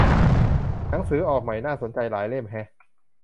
หนังสือออกใหม่น่าสนใจหลายเล่มแฮะ